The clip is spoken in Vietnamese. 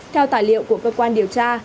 theo tài liệu của cơ quan điều tra